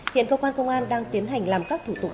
hiện cơ quan công an đang tiến hành làm các thủ tục